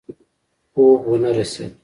خو ونه رسېد.